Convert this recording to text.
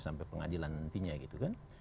sampai pengadilan nantinya gitu kan